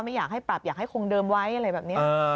ไม่อยากให้ปรับอยากให้คงเดิมไว้อะไรแบบนี้